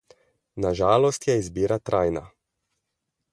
Na žalost je izbira trajna.